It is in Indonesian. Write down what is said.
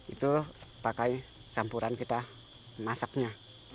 itu pakai campuran kita masaknya